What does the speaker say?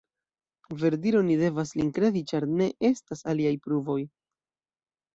Verdire oni devas lin kredi, ĉar ne estas aliaj pruvoj.